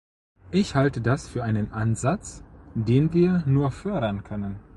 Ich halte das für einen Ansatz, den wir nur fördern können.